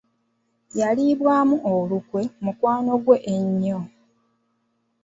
Yalibwamu olukwe mukwano gwe ennyo.